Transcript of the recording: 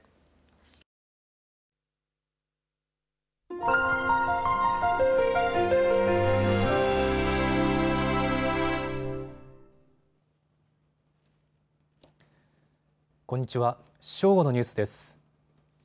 正午のニュースです。